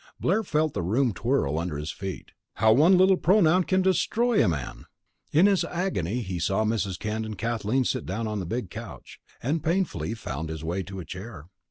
Blair felt the room twirl under his feet. How one little pronoun can destroy a man! In his agony he saw Mrs. Kent and Kathleen sit down on the big couch, and painfully found his way to a chair.